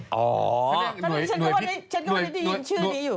ฉันกำลังได้ยินชื่อนี้อยู่